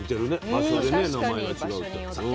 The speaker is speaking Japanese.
場所でね名前が違うって。